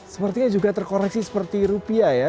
sepertinya juga terkoreksi seperti rupiah ya